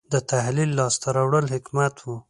• د تحصیل لاسته راوړل حکمت و.